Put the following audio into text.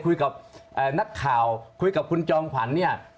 คุยกับนักข่าวคุยกับคุณจองขวัญ